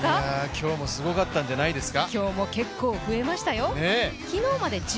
今日もすごかったんじゃないですか。